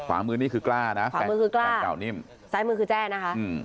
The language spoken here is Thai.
ขวามือนี่คือกล้านะขวามือคือกล้าขวามือคือกล้านิ่มซ้ายมือคือแจ้นะคะ